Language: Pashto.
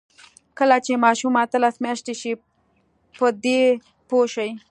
کله چې ماشوم اتلس میاشتنۍ شي، په دې پوه شي.